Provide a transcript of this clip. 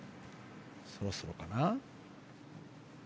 そろそろかな。